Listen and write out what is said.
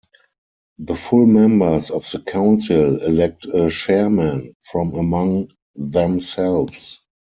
The full members of the Council elect a Chairman from among themselves.